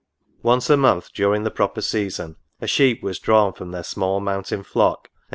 Once a month, during the proper season, ti sheep was drawn from their small mountain flock, and NOTES.